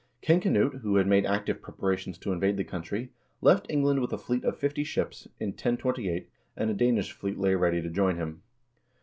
King Knut, who had made active preparations to invade the country, left Eng land with a fleet of fifty ships, in 1028, and a Danish fleet lay ready to join him.